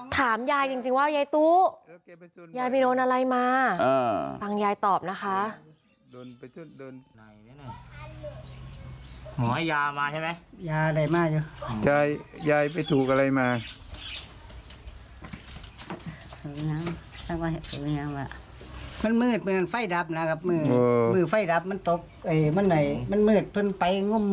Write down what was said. ถามยายจริงว่ายายตู้ยายไปโดนอะไรมาฟังยายตอบนะคะ